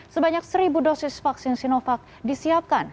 sebanyak seribu dosis vaksin sinovac disiapkan